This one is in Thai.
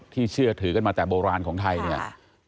เชื่อถือกันมาแต่โบราณของไทยเนี่ย